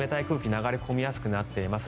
流れ込みやすくなっています。